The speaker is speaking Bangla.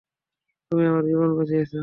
তুমি আমার জীবন বাঁচিয়েছ!